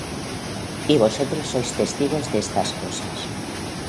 Y vosotros sois testigos de estas cosas.